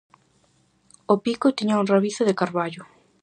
O pico tiña un rabizo de carballo.